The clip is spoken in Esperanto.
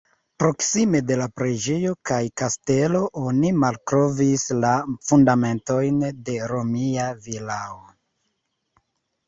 Proksime de la preĝejo kaj kastelo oni malkovris la fundamentojn de romia vilao.